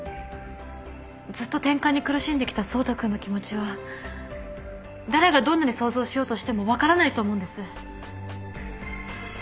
ずっとてんかんに苦しんできた走太君の気持ちは誰がどんなに想像しようとしても分からないと思うんです。